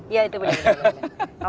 iya itu bener